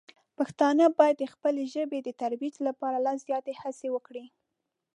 پښتانه باید د خپلې ژبې د ترویج لپاره لا زیاته هڅه وکړي.